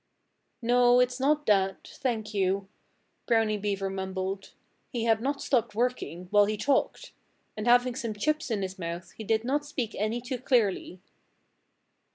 "No! It's not that thank you!" Brownie Beaver mumbled. He had not stopped working, while he talked. And having some chips in his mouth he did not speak any too clearly.